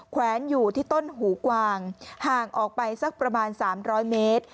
แวนอยู่ที่ต้นหูกวางห่างออกไปสักประมาณ๓๐๐เมตร